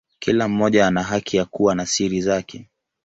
Kila mmoja ana haki ya kuwa na siri zake.